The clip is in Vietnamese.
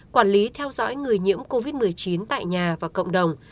quản lý theo dõi người nhiễm covid một mươi chín tại nhà và cộng đồng